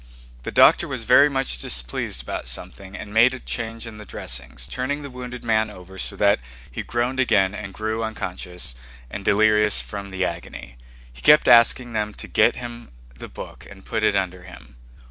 The doctor was very much displeased about something and made a change in the dressings, turning the wounded man over so that he groaned again and grew unconscious and delirious from the agony. He kept asking them to get him the book and put it under him.